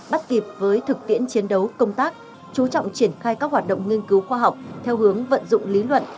bắt kịp với thực tiễn chiến đấu công tác chú trọng triển khai các hoạt động nghiên cứu khoa học theo hướng vận dụng lý luận